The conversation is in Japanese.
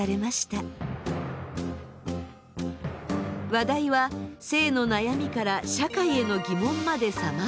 話題は性の悩みから社会への疑問までさまざま。